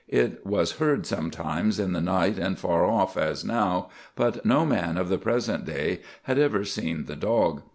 It was heard sometimes in the night and far off, as now, but no man of the present days had ever seen the dog.